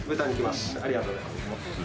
ありがとうございます。